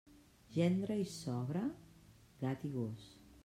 Gendre i sogra?, gat i gos.